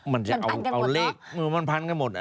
มันจะเอาเลขมือมันพันกันหมด